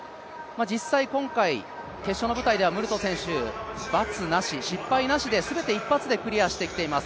実際、今回決勝の舞台ではムルト選手、バツなし失敗なしで全て一発でクリアしてきています。